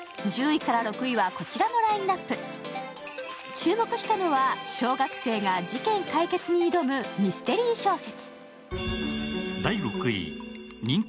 注目したのは、小学生が事件解決に挑むミステリー小説。